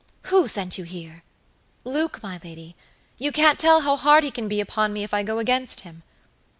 "Who sent you here?" "Luke, my lady. You can't tell how hard he can be upon me if I go against him."